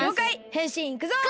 へんしんいくぞ！